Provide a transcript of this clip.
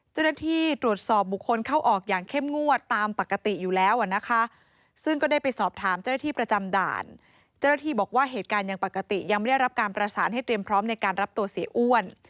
เจ้าหน้าที่ตรวจสอบบุคคลเข้าออกอย่างเข้มงวดตามปกติอยู่แล้วอ่ะนะคะซึ่งก็ได้ไปสอบถามเจ้าหน้าที่ประจำด่านเจ้าหน้าที่บอกว่าเหตุการณ์ยังปกติยังไม่ได้รับการประสานให้เตรียมพร้อมในการรับตัวเสียอ้วน